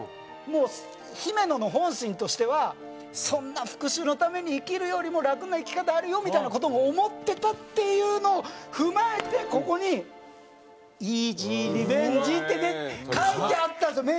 もう姫野の本心としてはそんな復讐のために生きるよりも楽な生き方あるよみたいな事も思ってたっていうのを踏まえてここに「Ｅａｓｙｒｅｖｅｎｇｅ！」ってね書いてあったんですよ